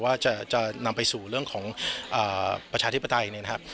ว่าจะนำไปสู่เรื่องของประชาธิปไตยเนี่ยนะครับ